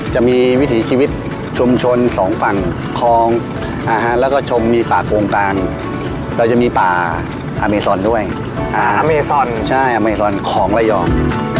จะมีวิถีชีวิตชุมชนสองฝั่งของอาหารแล้วก็ชมมีปากงการเราจะมีปลาอาเมซอนด้วยอาเมซอนใช่อาเมซอนของละยอง